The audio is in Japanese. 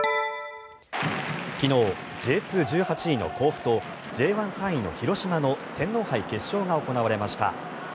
昨日Ｊ２、１８位の甲府とＪ１、３位の広島の天皇杯決勝が行われました。